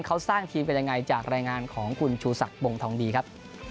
เขาสร้างทีมกันยังไงจากรายงานของคุณชูศักดิบวงทองดีครับ